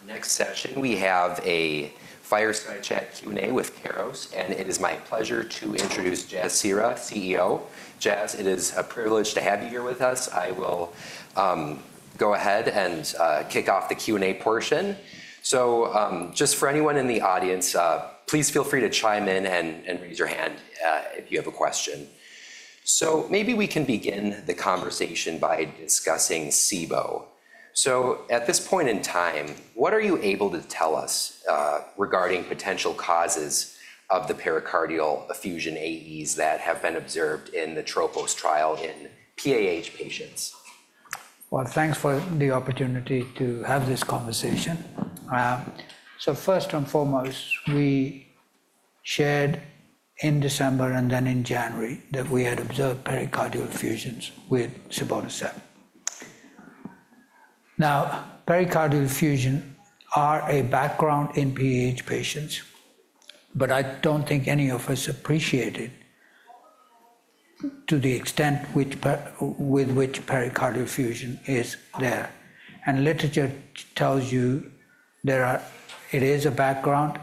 For our next session, we have a fireside chat Q&A with Keros, and it is my pleasure to introduce Jasbir Seehra, CEO. Jas, it is a privilege to have you here with us. I will go ahead and kick off the Q&A portion. Just for anyone in the audience, please feel free to chime in and raise your hand if you have a question. Maybe we can begin the conversation by discussing KER-012. At this point in time, what are you able to tell us regarding potential causes of the pericardial effusion AEs that have been observed in the Tropos trial in PAH patients? Thanks for the opportunity to have this conversation. First and foremost, we shared in December and then in January that we had observed pericardial effusions with KER-012. Now, pericardial effusions are a background in PAH patients, but I do not think any of us appreciate it to the extent with which pericardial effusion is there. Literature tells you there is a background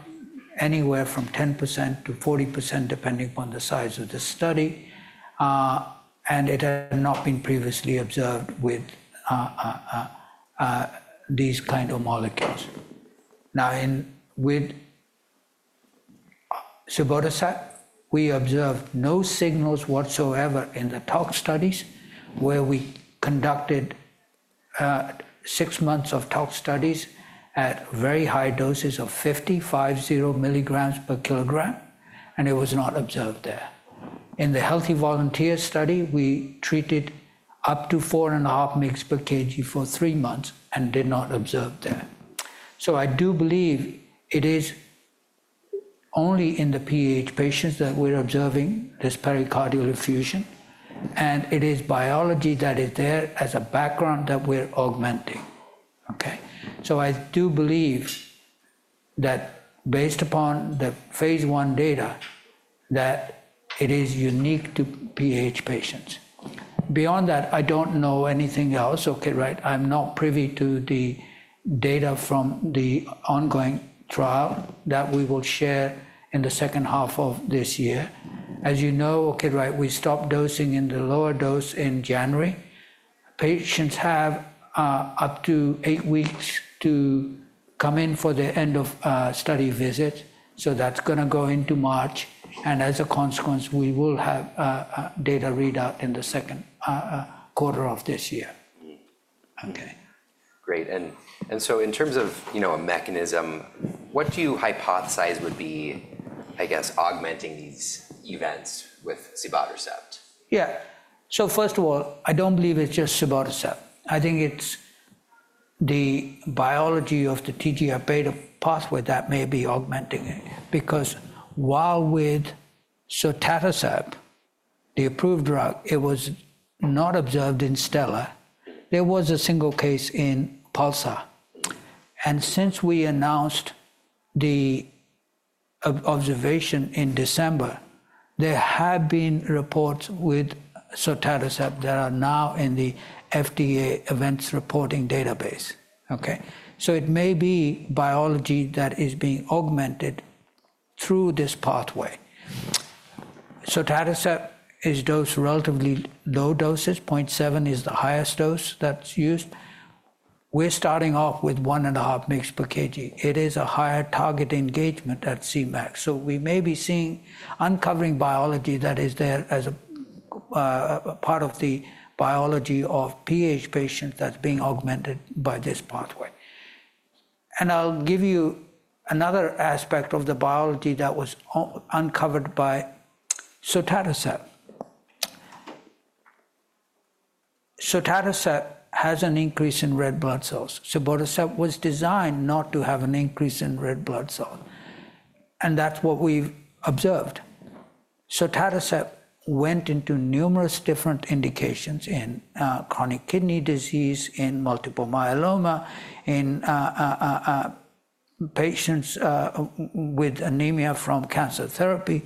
anywhere from 10% to 40%, depending upon the size of the study. It had not been previously observed with these kinds of molecules. Now, with KER-012, we observed no signals whatsoever in the tox studies where we conducted six months of tox studies at very high doses of 50, 500 milligrams per kilogram, and it was not observed there. In the healthy volunteer study, we treated up to four and a half mg per kg for three months and did not observe that. I do believe it is only in the PAH patients that we're observing this pericardial effusion, and it is biology that is there as a background that we're augmenting. Okay? I do believe that based upon the phase one data, that it is unique to PAH patients. Beyond that, I don't know anything else. Okay, right? I'm not privy to the data from the ongoing trial that we will share in the second half of this year. As you know, okay, right, we stopped dosing in the lower dose in January. Patients have up to eight weeks to come in for the end of study visits. That's going to go into March. As a consequence, we will have data readout in the second quarter of this year. Okay. Great. In terms of a mechanism, what do you hypothesize would be, I guess, augmenting these events with KER-012? Yeah. First of all, I don't believe it's just KER-012. I think it's the biology of the TGF-β pathway that may be augmenting it. Because while with sotatercept, the approved drug, it was not observed in Stella, there was a single case in Pulsar. Since we announced the observation in December, there have been reports with sotatercept that are now in the FDA events reporting database. Okay? It may be biology that is being augmented through this pathway. Sotatercept is dosed at relatively low doses. 0.7 is the highest dose that's used. We're starting off with 1.5 mg per kg. It is a higher target engagement at CMAC. We may be seeing uncovering biology that is there as a part of the biology of PAH patients that's being augmented by this pathway. I'll give you another aspect of the biology that was uncovered by sotatercept. Sotatercept has an increase in red blood cells. KER-012 was designed not to have an increase in red blood cells. That's what we've observed. Sotatercept went into numerous different indications in chronic kidney disease, in multiple myeloma, in patients with anemia from cancer therapy.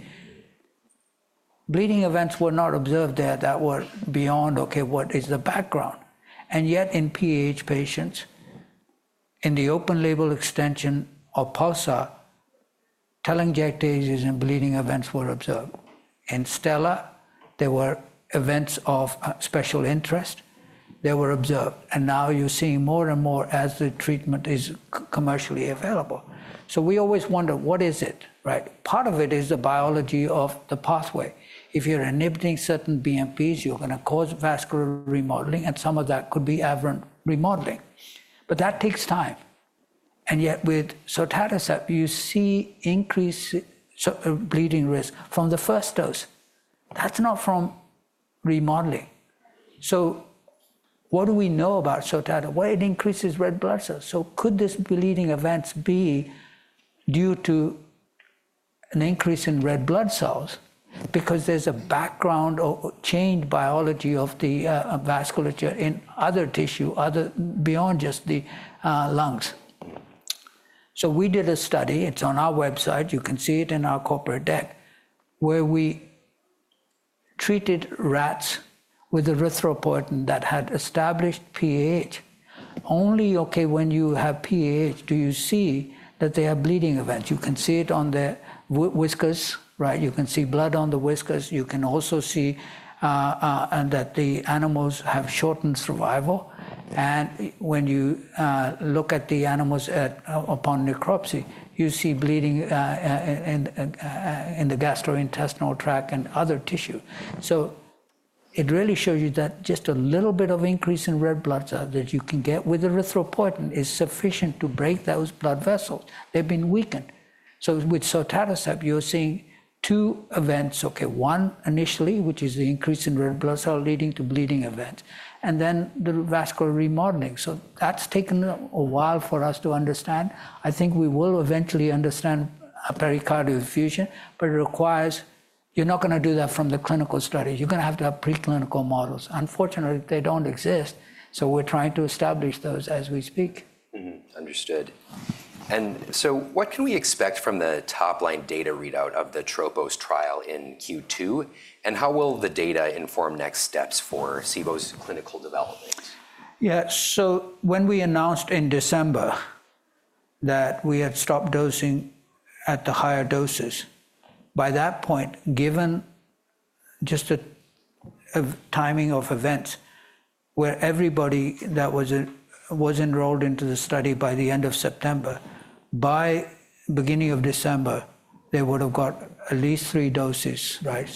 Bleeding events were not observed there that were beyond, okay, what is the background? Yet in PAH patients, in the open label extension of Pulsar, telangiectasias and bleeding events were observed. In Stella, there were events of special interest that were observed. Now you're seeing more and more as the treatment is commercially available. We always wonder, what is it, right? Part of it is the biology of the pathway. If you're inhibiting certain BMPs, you're going to cause vascular remodeling, and some of that could be aberrant remodeling. That takes time. Yet with sotatercept, you see increased bleeding risk from the first dose. That's not from remodeling. What do we know about sotatercept? It increases red blood cells. Could these bleeding events be due to an increase in red blood cells? Because there's a background or change biology of the vasculature in other tissue, other beyond just the lungs. We did a study. It's on our website. You can see it in our corporate deck, where we treated rats with erythropoietin that had established PAH. Only, okay, when you have PAH, do you see that they have bleeding events? You can see it on the whiskers, right? You can see blood on the whiskers. You can also see that the animals have shortened survival. When you look at the animals upon necropsy, you see bleeding in the gastrointestinal tract and other tissue. It really shows you that just a little bit of increase in red blood cells that you can get with erythropoietin is sufficient to break those blood vessels. They've been weakened. With sotatercept, you're seeing two events, okay? One initially, which is the increase in red blood cells leading to bleeding events, and then the vascular remodeling. That has taken a while for us to understand. I think we will eventually understand pericardial effusion, but it requires you're not going to do that from the clinical studies. You're going to have to have preclinical models. Unfortunately, they don't exist. We're trying to establish those as we speak. Understood. What can we expect from the top-line data readout of the Tropos trial in Q2? How will the data inform next steps for Sibo's clinical development? Yeah. When we announced in December that we had stopped dosing at the higher doses, by that point, given just the timing of events where everybody that was enrolled into the study by the end of September, by beginning of December, they would have got at least three doses, right?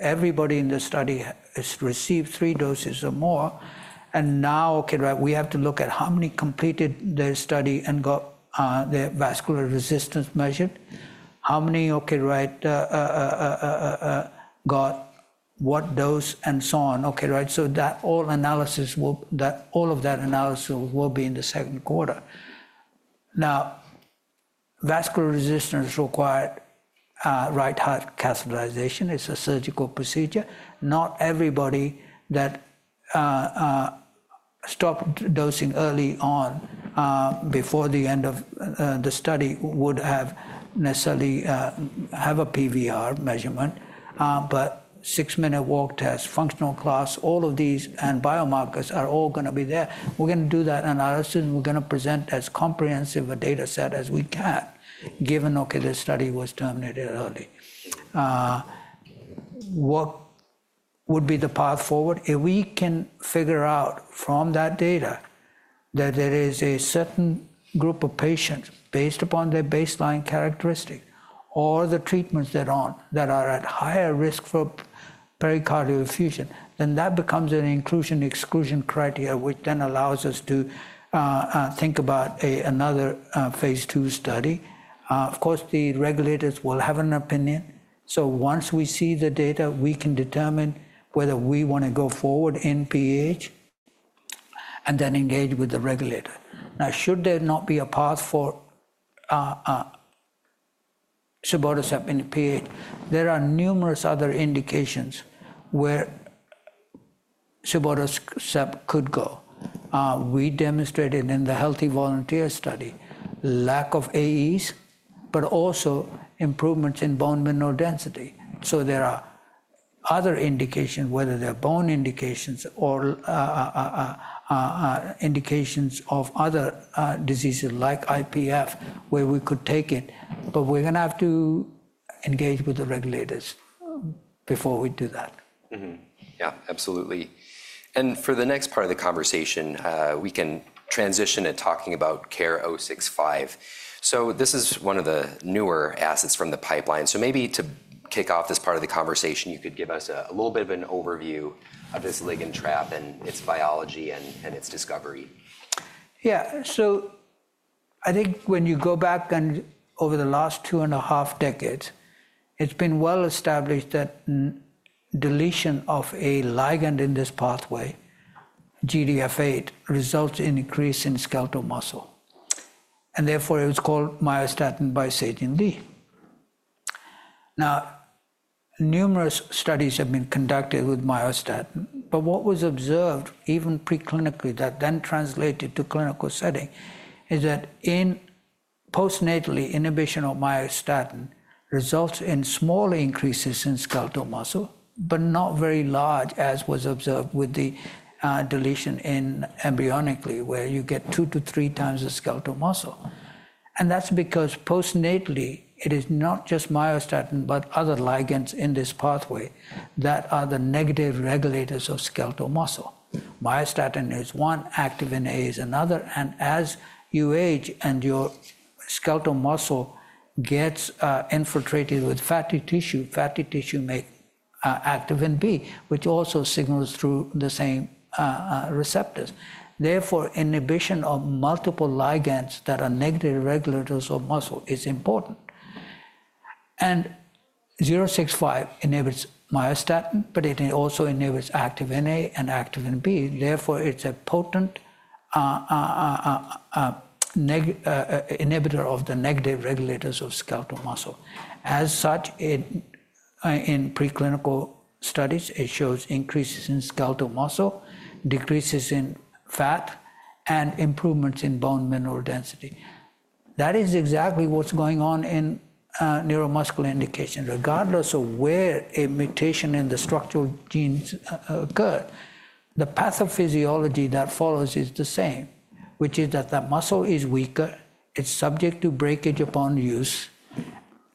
Everybody in the study has received three doses or more. Now, okay, right, we have to look at how many completed their study and got their vascular resistance measured, how many, okay, right, got what dose, and so on, okay, right? All of that analysis will be in the second quarter. Now, vascular resistance required right heart catheterization. It's a surgical procedure. Not everybody that stopped dosing early on before the end of the study would have necessarily have a PVR measurement, but six-minute walk test, functional class, all of these and biomarkers are all going to be there. We're going to do that analysis. We're going to present as comprehensive a data set as we can, given, okay, the study was terminated early. What would be the path forward? If we can figure out from that data that there is a certain group of patients based upon their baseline characteristics or the treatments that are at higher risk for pericardial effusion, then that becomes an inclusion/exclusion criteria, which then allows us to think about another phase two study. Of course, the regulators will have an opinion. Once we see the data, we can determine whether we want to go forward in PAH and then engage with the regulator. Now, should there not be a path for KER-012 in PAH, there are numerous other indications where KER-012 could go. We demonstrated in the healthy volunteer study lack of AEs, but also improvements in bone mineral density. There are other indications, whether they're bone indications or indications of other diseases like idiopathic pulmonary fibrosis, where we could take it. We are going to have to engage with the regulators before we do that. Yeah, absolutely. For the next part of the conversation, we can transition to talking about KER-065. This is one of the newer assets from the pipeline. Maybe to kick off this part of the conversation, you could give us a little bit of an overview of this ligand trap and its biology and its discovery. Yeah. I think when you go back over the last two and a half decades, it's been well established that deletion of a ligand in this pathway, GDF8, results in increase in skeletal muscle. Therefore, it was called myostatin by Siting Li. Now, numerous studies have been conducted with myostatin, but what was observed even preclinically that then translated to clinical setting is that in postnatal inhibition of myostatin, results in small increases in skeletal muscle, but not very large as was observed with the deletion embryonically, where you get two to three times the skeletal muscle. That's because postnatal it is not just myostatin, but other ligands in this pathway that are the negative regulators of skeletal muscle. Myostatin is one, activin A is another. As you age and your skeletal muscle gets infiltrated with fatty tissue, fatty tissue makes activin B, which also signals through the same receptors. Therefore, inhibition of multiple ligands that are negative regulators of muscle is important. 065 inhibits myostatin, but it also inhibits activin A and activin B. Therefore, it is a potent inhibitor of the negative regulators of skeletal muscle. As such, in preclinical studies, it shows increases in skeletal muscle, decreases in fat, and improvements in bone mineral density. That is exactly what is going on in neuromuscular indication. Regardless of where a mutation in the structural genes occurred, the pathophysiology that follows is the same, which is that that muscle is weaker. It is subject to breakage upon use.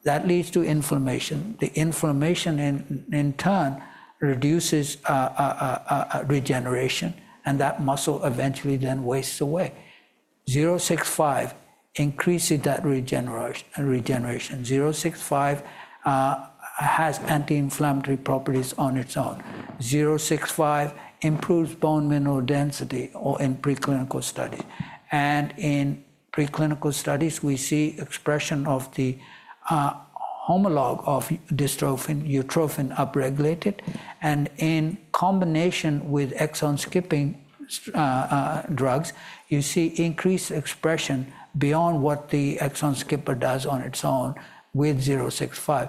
That leads to inflammation. The inflammation in turn reduces regeneration, and that muscle eventually then wastes away. 065 increases that regeneration. 065 has anti-inflammatory properties on its own. 065 improves bone mineral density in preclinical studies. In preclinical studies, we see expression of the homologue of dystrophin and utrophin upregulated. In combination with exon-skipping drugs, you see increased expression beyond what the exon-skipper does on its own with 065.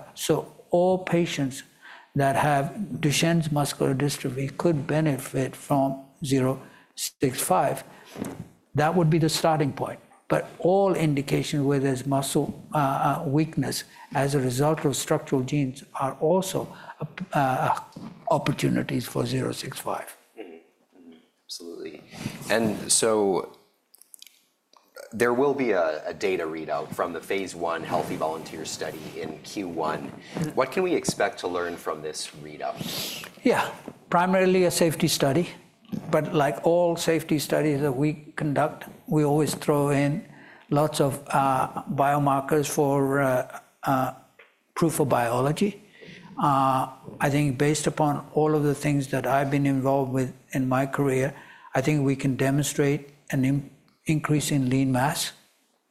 All patients that have Duchenne muscular dystrophy could benefit from 065. That would be the starting point. All indications where there is muscle weakness as a result of structural genes are also opportunities for 065. Absolutely. There will be a data readout from the phase one healthy volunteer study in Q1. What can we expect to learn from this readout? Yeah. Primarily a safety study. Like all safety studies that we conduct, we always throw in lots of biomarkers for proof of biology. I think based upon all of the things that I've been involved with in my career, I think we can demonstrate an increase in lean mass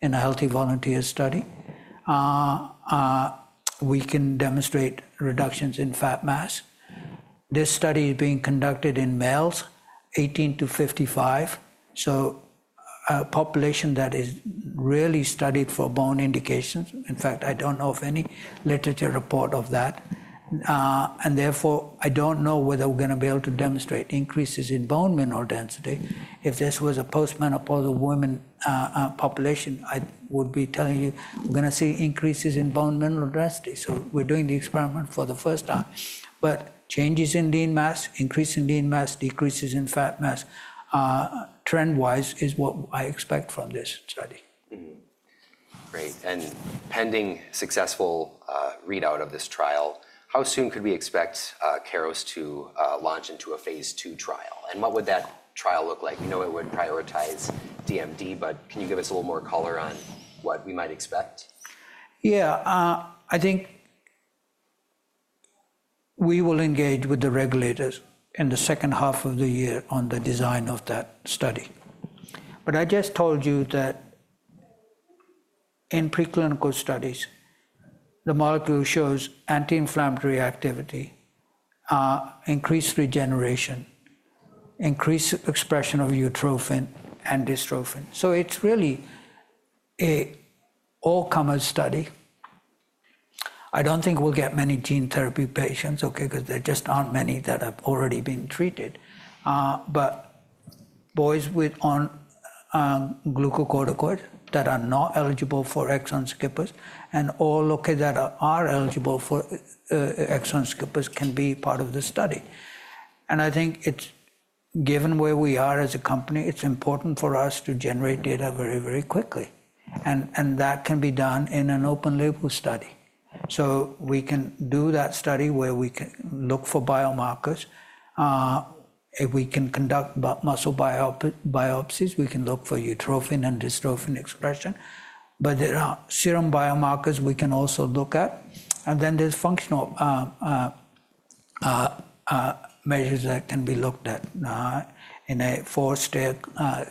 in a healthy volunteer study. We can demonstrate reductions in fat mass. This study is being conducted in males, 18 to 55. A population that is really studied for bone indications. In fact, I don't know of any literature report of that. Therefore, I don't know whether we're going to be able to demonstrate increases in bone mineral density. If this was a postmenopausal women population, I would be telling you we're going to see increases in bone mineral density. We're doing the experiment for the first time. Changes in lean mass, increase in lean mass, decreases in fat mass trend-wise is what I expect from this study. Great. Pending successful readout of this trial, how soon could we expect KER-065 to launch into a phase two trial? What would that trial look like? We know it would prioritize DMD, but can you give us a little more color on what we might expect? Yeah. I think we will engage with the regulators in the second half of the year on the design of that study. I just told you that in preclinical studies, the molecule shows anti-inflammatory activity, increased regeneration, increased expression of utrophin and dystrophin. It is really an all-comer study. I do not think we will get many gene therapy patients, okay, because there just are not many that have already been treated. Boys on glucocorticoid that are not eligible for exon-skippers and all, okay, that are eligible for exon-skippers can be part of the study. I think given where we are as a company, it is important for us to generate data very, very quickly. That can be done in an open label study. We can do that study where we can look for biomarkers. If we can conduct muscle biopsies, we can look for eutrophin and dystrophin expression. There are serum biomarkers we can also look at. There are functional measures that can be looked at in a four-step climb,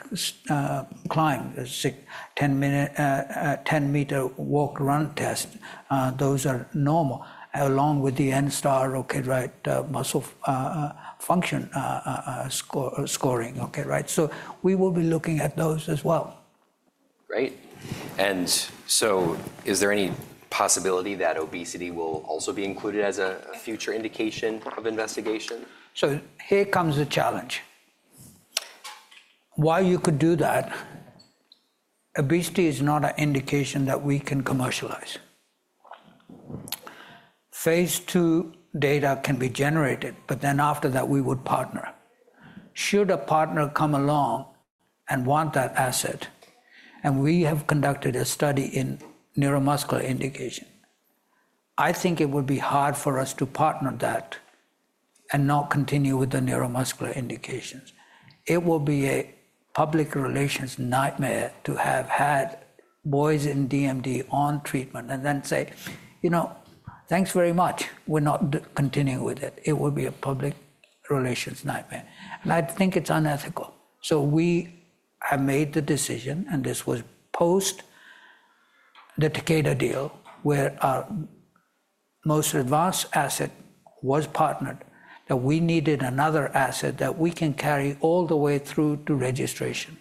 a 10-meter walk-run test. Those are normal along with the N-STAR, okay, right, muscle function scoring, okay, right? We will be looking at those as well. Great. Is there any possibility that obesity will also be included as a future indication of investigation? Here comes the challenge. While you could do that, obesity is not an indication that we can commercialize. Phase two data can be generated, but then after that, we would partner. Should a partner come along and want that asset, and we have conducted a study in neuromuscular indication, I think it would be hard for us to partner that and not continue with the neuromuscular indications. It will be a public relations nightmare to have had boys in DMD on treatment and then say, you know, thanks very much. We're not continuing with it. It will be a public relations nightmare. I think it's unethical. We have made the decision, and this was post-the Takeda deal where our most advanced asset was partnered, that we needed another asset that we can carry all the way through to registration.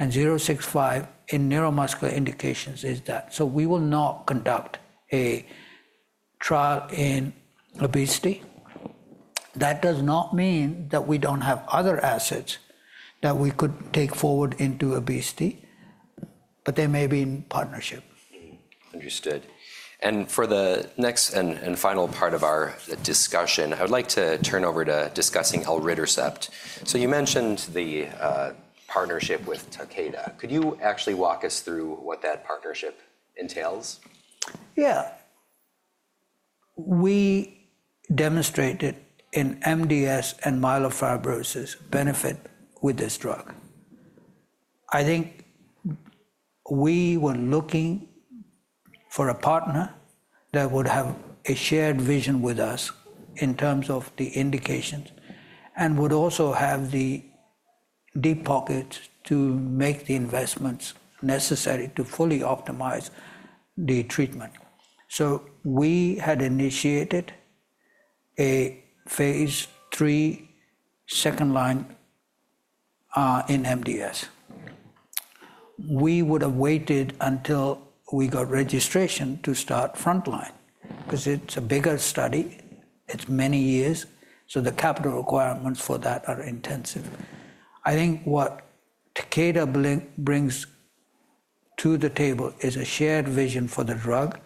And 065 in neuromuscular indications is that. We will not conduct a trial in obesity. That does not mean that we do not have other assets that we could take forward into obesity, but they may be in partnership. Understood. For the next and final part of our discussion, I would like to turn over to discussing elritercept. You mentioned the partnership with Takeda. Could you actually walk us through what that partnership entails? Yeah. We demonstrated in MDS and myelofibrosis benefit with this drug. I think we were looking for a partner that would have a shared vision with us in terms of the indications and would also have the deep pockets to make the investments necessary to fully optimize the treatment. We had initiated a phase three second line in MDS. We would have waited until we got registration to start frontline because it's a bigger study. It's many years. The capital requirements for that are intensive. I think what Takeda brings to the table is a shared vision for the drug,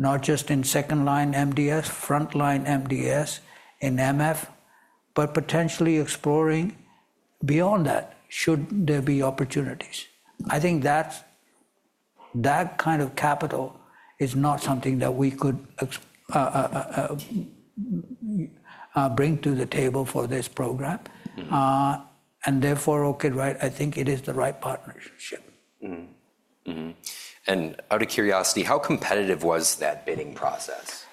not just in second line MDS, front line MDS, in MF, but potentially exploring beyond that should there be opportunities. I think that kind of capital is not something that we could bring to the table for this program. Okay, right, I think it is the right partnership. Out of curiosity, how competitive was that bidding process?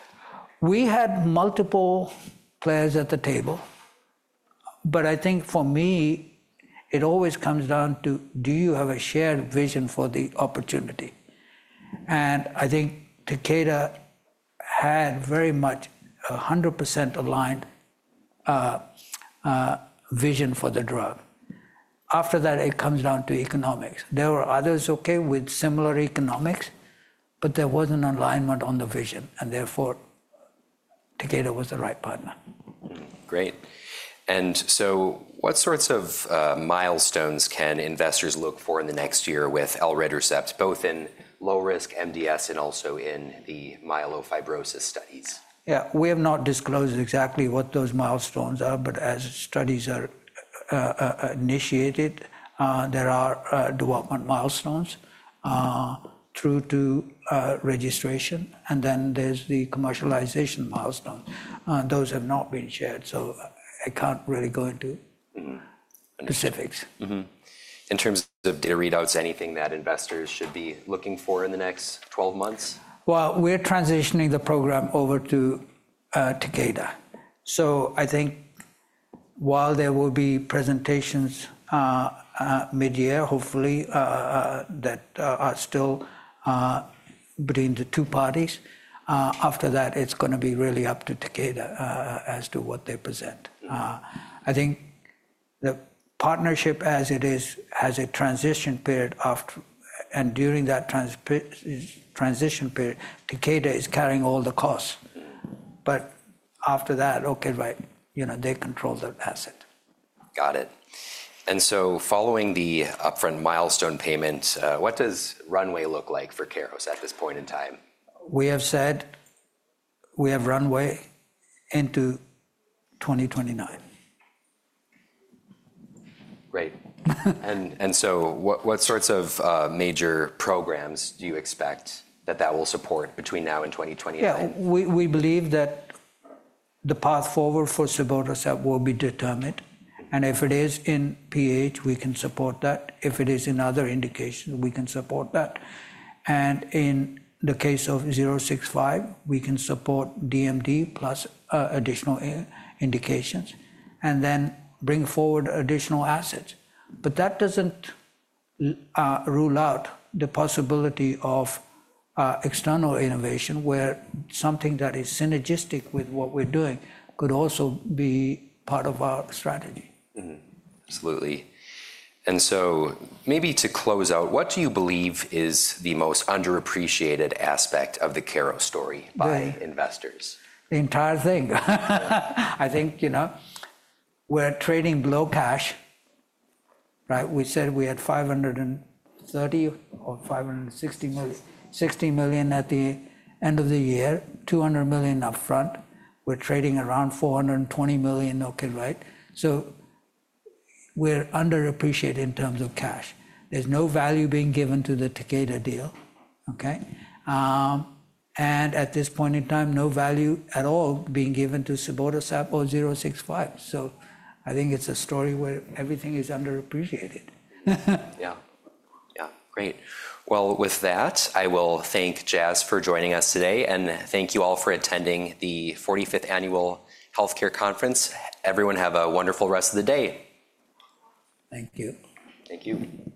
We had multiple players at the table. I think for me, it always comes down to do you have a shared vision for the opportunity? I think Takeda had very much a 100% aligned vision for the drug. After that, it comes down to economics. There were others, okay, with similar economics, but there was not alignment on the vision. Therefore, Takeda was the right partner. Great. What sorts of milestones can investors look for in the next year with elritercept, both in low-risk MDS and also in the myelofibrosis studies? Yeah. We have not disclosed exactly what those milestones are, but as studies are initiated, there are development milestones through to registration. There are commercialization milestones. Those have not been shared. I can't really go into specifics. In terms of data readouts, anything that investors should be looking for in the next 12 months? We're transitioning the program over to Takeda. I think while there will be presentations mid-year, hopefully, that are still between the two parties, after that, it's going to be really up to Takeda as to what they present. I think the partnership as it is, has a transition period after, and during that transition period, Takeda is carrying all the costs. After that, you know, they control that asset. Got it. Following the upfront milestone payments, what does runway look like for Keros at this point in time? We have said we have runway into 2029. Great. What sorts of major programs do you expect that that will support between now and 2029? Yeah. We believe that the path forward for KER-012 will be determined. If it is in PAH, we can support that. If it is in other indications, we can support that. In the case of KER-065, we can support DMD plus additional indications and then bring forward additional assets. That does not rule out the possibility of external innovation where something that is synergistic with what we are doing could also be part of our strategy. Absolutely. Maybe to close out, what do you believe is the most underappreciated aspect of the Keros story by investors? The entire thing. I think, you know, we're trading below cash, right? We said we had $530 million or $560 million at the end of the year, $200 million upfront. We're trading around $420 million, okay, right? We're underappreciated in terms of cash. There's no value being given to the Takeda deal, okay? At this point in time, no value at all being given to sotatercept or KER-065. I think it's a story where everything is underappreciated. Yeah. Yeah. Great. With that, I will thank Jasbir for joining us today. Thank you all for attending the 45th Annual Healthcare Conference. Everyone have a wonderful rest of the day. Thank you. Thank you.